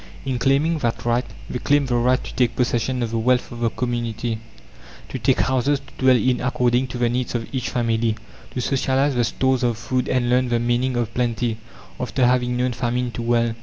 In claiming that right they claim the right to take possession of the wealth of the community to take houses to dwell in according to the needs of each family; to socialize the stores of food and learn the meaning of plenty, after having known famine too well.